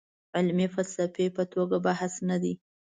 علمي فلسفي توګه بحث نه دی.